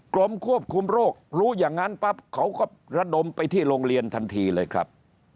กรมควบคุมโรครู้อย่างนั้นปั๊บเขาก็ระดมไปที่โรงเรียนทันทีเลยครับ